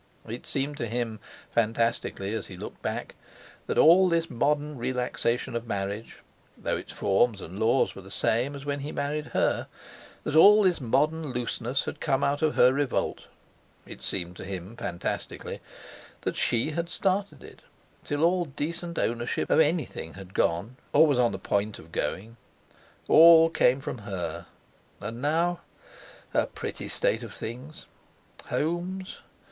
It seemed to him, fantastically, as he looked back, that all this modern relaxation of marriage—though its forms and laws were the same as when he married her—that all this modern looseness had come out of her revolt; it seemed to him, fantastically, that she had started it, till all decent ownership of anything had gone, or was on the point of going. All came from her! And now—a pretty state of things! Homes!